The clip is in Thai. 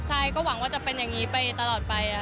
ใช่ก็หวังว่าจะเป็นอย่างนี้ไปตลอดไป